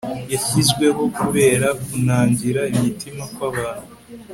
yashyizweho, kubera kunangira imitima kw'abantu